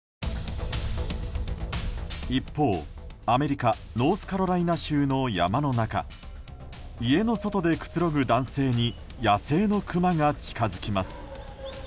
一方、アメリカノースカロライナ州の山の中家の外でくつろぐ男性に野生のクマが近づきます。